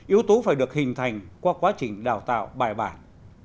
yếu tố phải được hình thành qua quá trình đào tạo bài bản